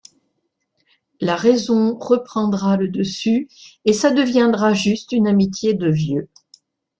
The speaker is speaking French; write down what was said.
La raison reprendra le dessus et ça deviendra juste une amitié de vieux.